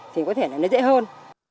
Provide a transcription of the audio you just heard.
thì có thể là nó dễ hơn